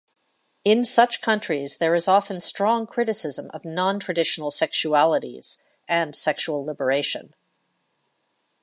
In such countries there is often strong criticism of non-traditional sexualities and sexual liberation.